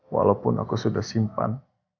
walaupun aku sudah simpan